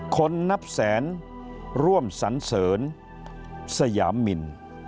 คนนับแสนร่วมสันเสริญสยามิน